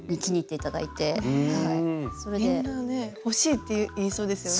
みんなね「欲しい」って言いそうですよね。